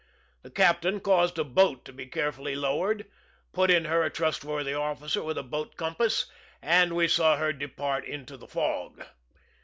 The captain caused a boat to be carefully lowered, put in her a trustworthy officer with a boat compass, and we saw her depart into the fog.